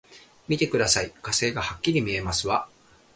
見てください、火星がはっきり見えますわ！